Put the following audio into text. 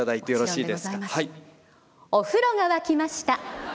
「お風呂が沸きました」。